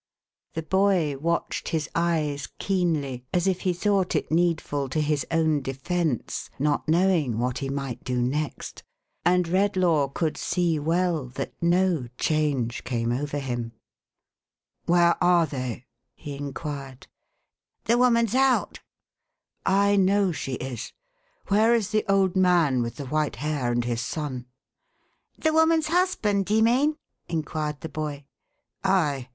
The boy watched his eyes keenly, as if he thought it needful to his own defence, not knowing what he might do next; and Redlaw could see well that no change came over him. "Where are they ?" he inquired. "The woman's out." "I know she is. Where is the old man with the white hair, and his son ?"" The woman's husband, d'ye mean ?" inquired the boy. " Aye.